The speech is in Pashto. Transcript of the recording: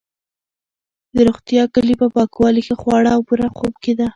د روغتیا کلي په پاکوالي، ښه خواړه او پوره خوب کې ده.